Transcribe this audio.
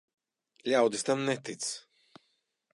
Ļaudis tam netic.